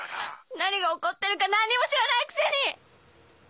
何が起こってるか何にも知らないくせに！